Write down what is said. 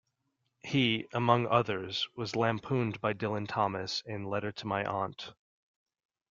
He, among others, was lampooned by Dylan Thomas in Letter to my Aunt.